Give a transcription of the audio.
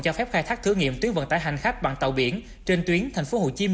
cho phép khai thác thử nghiệm tuyến vận tải hành khách bằng tàu biển trên tuyến tp hcm